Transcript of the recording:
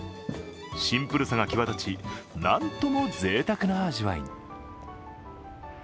シンプルさが際立ち、なんともぜいたくな味わいに。